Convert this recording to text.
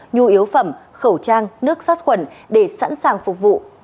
nhu yếu phẩm khẩu trang nước sát khuẩn để sẵn sàng phục vụ